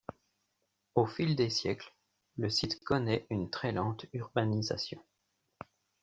Au fil des siècles, le site connait une très lente urbanisation.